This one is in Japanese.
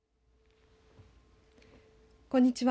こんにちは。